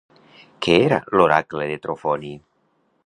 Què era l'oracle de Trofoni?